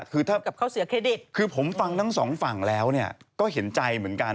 คือถ้าคือผมฟังทั้งสองฝั่งแล้วเนี่ยก็เห็นใจเหมือนกัน